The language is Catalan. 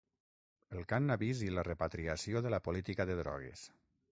El cànnabis i la repatriació de la política de drogues.